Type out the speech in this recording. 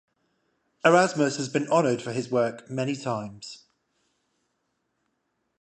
Erasmus has been honoured for his work many times.